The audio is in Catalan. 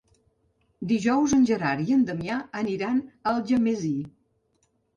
Dijous en Gerard i en Damià aniran a Algemesí.